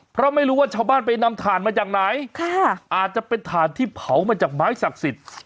เพราะไม่รู้ว่าชาวบ้านไปนำถ่านมาจากไหนอาจจะเป็นถ่านที่เผามาจากไม้ศักดิ์สิทธิ์